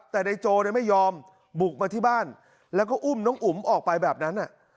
แต่นายโจไม่ยอมบุกมาที่บ้านแล้วก็อุ้มน้องอุ๋มออกไปแบบนั้น